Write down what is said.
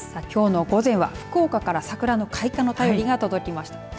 きょうの午前は福岡から桜の開花の便りが届きました。